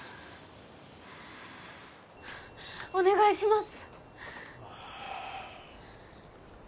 お願いします！